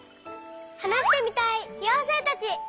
はなしてみたいようせいたち！